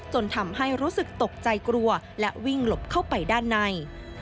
จนทำให้รู้สึกตกใจกลัวและวิ่งหลบเข้าไปด้านใน